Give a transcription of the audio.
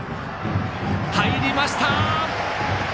入りました！